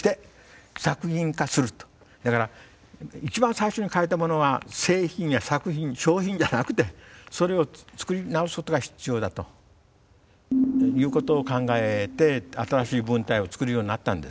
だから一番最初に書いたものが製品や作品商品じゃなくてそれを作り直すことが必要だということを考えて新しい文体を作るようになったんです。